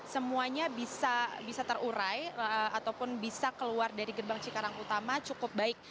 semuanya bisa terurai ataupun bisa keluar dari gerbang cikarang utama cukup baik